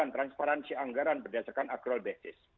transparansi anggaran berdasarkan acroal basis